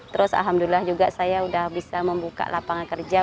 terus alhamdulillah juga saya sudah bisa membuka lapangan kerja